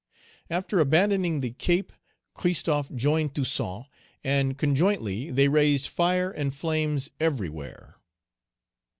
After abandoning the Cape, Christophe joined Toussaint, and conjointly Page 166 they raised fire and flames everywhere.